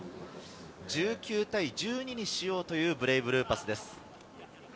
１９対１２にしようというブレイブルーパスです。